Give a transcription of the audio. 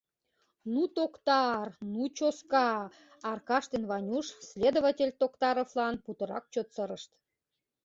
«Ну, токтар, ну, чоска, — Аркаш ден Ванюш следователь Токтаровлан путырак чот сырышт.